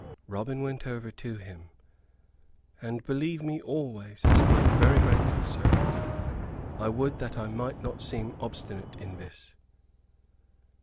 Robin went over to him. "And believe me always as being very grateful, sir. I would that I might not seem obstinate in this."